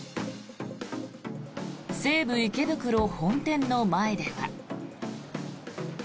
西武池袋本店の前では。